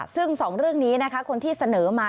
ซึ่ง๒เรื่องนี้นะคะคนที่เสนอมา